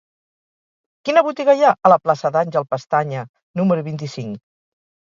Quina botiga hi ha a la plaça d'Àngel Pestaña número vint-i-cinc?